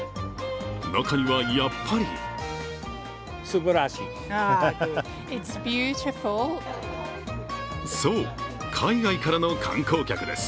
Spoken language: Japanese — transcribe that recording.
中には、やっぱりそう、海外からの観光客です。